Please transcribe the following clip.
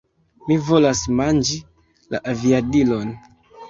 Mi volas manĝi la aviadilon!